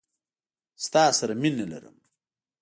تا سره مينه لرم.